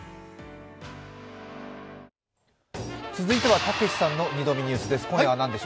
続いてはたけしさんの「２度見ニュース」です。